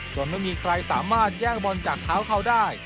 ไม่มีใครสามารถแย่งบอลจากเท้าเขาได้